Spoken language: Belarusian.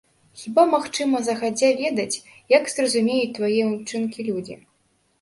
Хіба магчыма загадзя ведаць, як зразумеюць твае ўчынкі людзі?